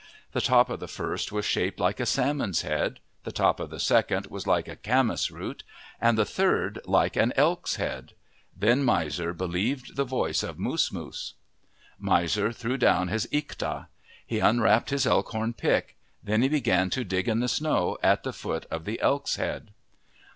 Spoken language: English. The top of the first was shaped like a salmon's head. The top of the second was like a camas root, and the third, like an elk's head. Then Miser believed the voice of Moosmoos. Miser threw down his ikta. He unwrapped his elk horn pick. Then he began to dig in the snow at the foot of the elk's head.